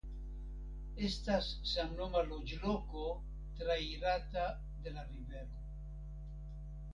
Estas samnoma loĝloko traitrata de la rivero.